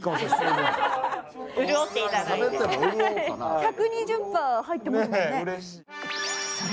１２０％入ってますもんね。